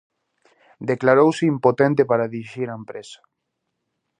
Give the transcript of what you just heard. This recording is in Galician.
Declarouse impotente para dirixir a empresa.